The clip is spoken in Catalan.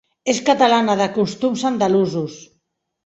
És catalana, de costums andalusos.